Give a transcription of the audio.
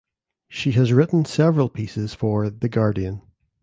She has written several pieces for "The Guardian".